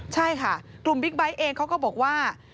ใช่ค่ะกลุ่มบิ๊กไบท์เองเขาก็บอกว่า